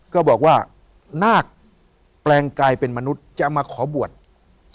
ก็บอกว่านาคแปลงกายเป็นมนุษย์จะมาขอบวช